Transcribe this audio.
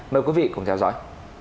mời quý vị cùng theo dõi